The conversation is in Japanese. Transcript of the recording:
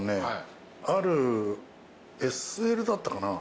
ＳＬだったかな？